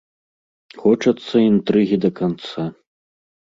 Хочацца інтрыгі да канца.